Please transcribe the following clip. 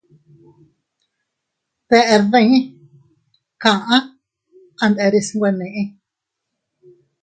Deʼer dii, kaʼa a nderes nwe neʼe.